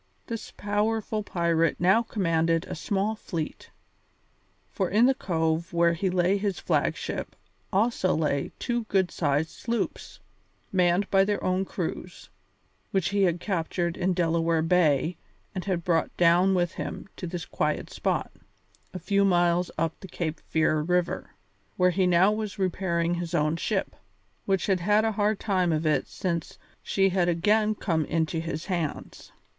This powerful pirate now commanded a small fleet, for in the cove where lay his flag ship also lay two good sized sloops, manned by their own crews, which he had captured in Delaware Bay and had brought down with him to this quiet spot, a few miles up the Cape Fear River, where now he was repairing his own ship, which had had a hard time of it since she had again come into his hands.